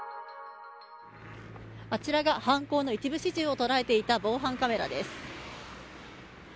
あちらが犯行の一部始終を捉えていた防犯カメラです。